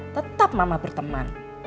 tetap mama berteman